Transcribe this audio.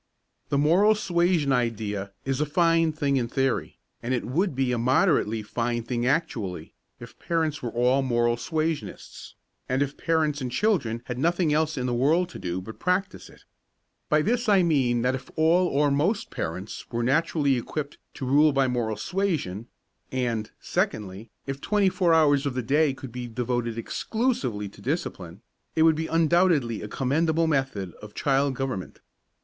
The moral suasion idea is a fine thing in theory and it would be a moderately fine thing actually if parents were all moral suasionists, and if parents and children had nothing else in the world to do but practise it. By this I mean that if all or most parents were naturally equipped to rule by moral suasion, and, secondly, if twenty four hours of the day could be devoted exclusively to discipline, it would be undoubtedly a commendable method of child government.